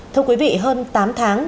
thưa quý vị hơn tám tháng